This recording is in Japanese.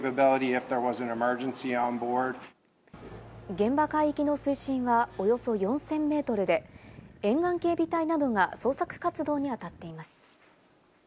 現場海域の水深はおよそ４０００メートルで、沿岸警備隊などが捜索活動にあたっています。